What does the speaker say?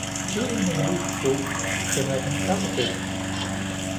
Tiden er just god, den er den allerbedste